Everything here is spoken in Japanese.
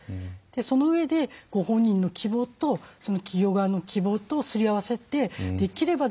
そのうえでご本人の希望と企業側の希望とすり合わせてできればですね